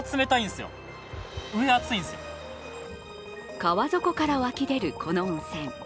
川底から湧き出るこの温泉。